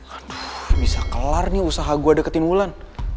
aduh bisa kelar nih usaha gua deketin wulan